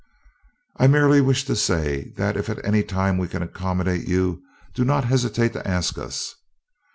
"I merely wished to say that if at any time we can accommodate you, do not hesitate to ask us."